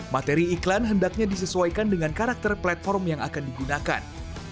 materi iklan hendaknya disesuaikan dengan karakter platform yang akan digunakan